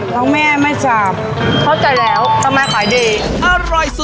น้องแม่ไม่จับทำไมขายดีเข้าใจแล้ว